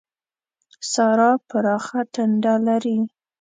سارا پراخه ټنډه لري.